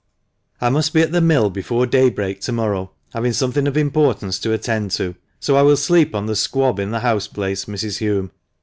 "I must be at the mill before daybreak to morrow, having something of importance to attend to, so I will sleep on the squab in the house place, Mrs. Hulme.